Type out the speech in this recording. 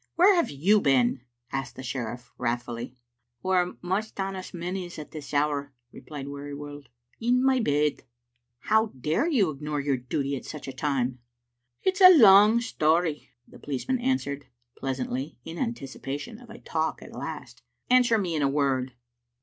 "Where have you been?" asked the sheriflE, wrath fully. " Whaur maist honest men is at this hour," replied Wearyworld; "in my bed," " How dared you ignore your duty at such a time?" "It's a long story," the policeman answered, pleas antly, in anticipation of a talk at last. " Answer me in a Word.